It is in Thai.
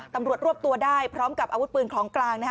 ตำรวจรวบตัวได้พร้อมกับอาวุธปืนของกลาง